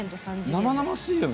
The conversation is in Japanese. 生々しいよね！